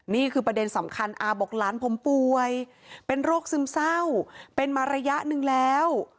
นี่คือประเด็นสำคัญอาบอกหลานผมป่วยเป็นโรคซึมเศร้าเป็นมาระยะหนึ่งแล้ว